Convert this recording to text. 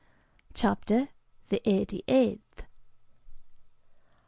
'" CHAPTER THE EIGHTY EIGHTH.